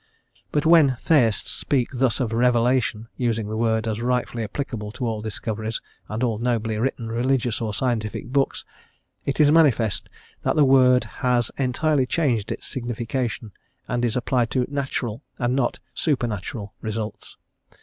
But when Theists speak thus of "revelation" using the word as rightfully applicable to all discoveries and all nobly written religious or scientific books, it is manifest that the word has entirely changed its signification, and is applied to "natural" and not "supernatural" results.